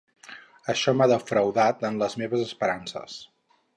Això m'ha defraudat en les meves esperances.